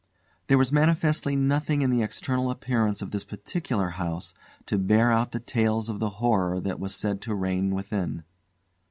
There was manifestly nothing in the external appearance of this particular house to bear out the tales of the horror that was said to reign within.